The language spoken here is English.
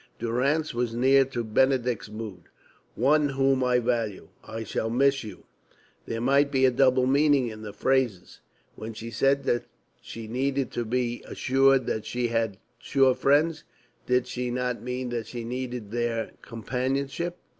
Durrance was near to Benedick's mood. "One whom I value"; "I shall miss you"; there might be a double meaning in the phrases. When she said that she needed to be assured that she had sure friends, did she not mean that she needed their companionship?